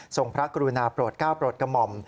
ทรงพระกรุณาโปรดเก้าโปรดกม่อม